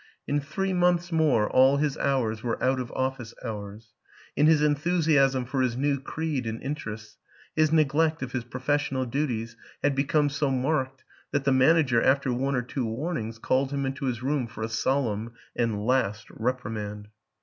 In three months more all his hours were out of office hours; in his enthusiasm for his new creed and interests his neglect of his professional duties had become so marked that the manager, after one or two warn ings, called him into his room for a solemn and last reprimand.